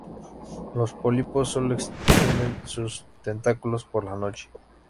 Los pólipos sólo extienden sus tentáculos por la noche.